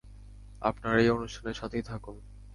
আপনারা এই অনুষ্ঠানের সাথেই থাকুন।